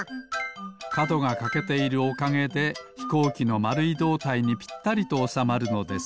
かどがかけているおかげでひこうきのまるいどうたいにぴったりとおさまるのです。